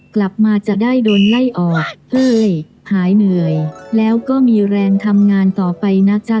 กลับมาจะได้โดนไล่ออกเฮ้ยหายเหนื่อยแล้วก็มีแรงทำงานต่อไปนะจ๊ะ